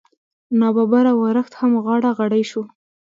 نا ببره ورښت هم غاړه غړۍ شو.